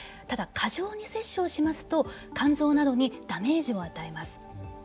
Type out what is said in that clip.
ただ、過剰に摂取をしますと肝臓などにダメージを与えます。